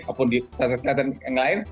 ataupun di kesehatan yang lain